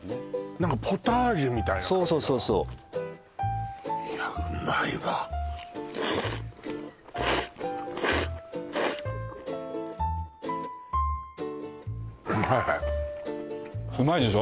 何かポタージュみたいなそうそうそうそういやうまいわはいはいうまいでしょ？